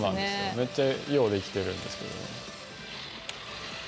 めっちゃよう出来てるんですけど。